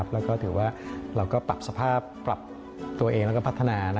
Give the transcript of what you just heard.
แล้วก็ถือว่าเราก็ปรับสภาพปรับตัวเองแล้วก็พัฒนา